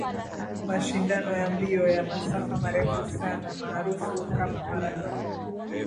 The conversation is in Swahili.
Mashindano ya mbio ya masafa marefu sana maarufu kama Marathon